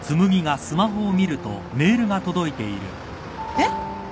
えっ？